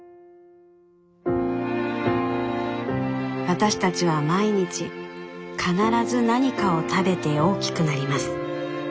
私たちは毎日必ず何かを食べて大きくなります。